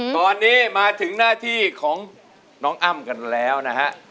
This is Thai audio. ตอนนี้มาถึงหน้าที่ของน้องอ้ำกันแล้วนะฮะ